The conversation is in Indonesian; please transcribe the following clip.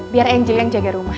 biar angel yang jaga rumah